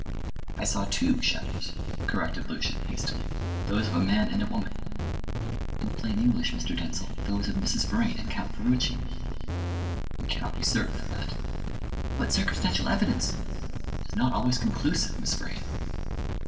"I saw two shadows," corrected Lucian hastily, "those of a man and a woman." "In plain English, Mr. Denzil, those of Mrs. Vrain and Count Ferruci." "We cannot be certain of that." "But circumstantial evidence " "Is not always conclusive, Miss Vrain."